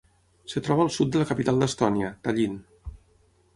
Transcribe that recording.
Es troba al sud de la capital d'Estònia, Tallin.